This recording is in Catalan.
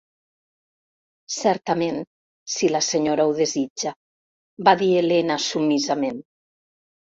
"Certament, si la senyora ho desitja", va dir Helena submisament.